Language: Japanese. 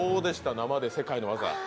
生で世界の技。